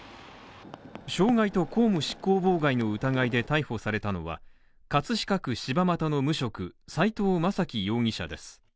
傷害と公務執行妨害の疑いで逮捕されたのは、葛飾区柴又の無職斉藤正希容疑者です。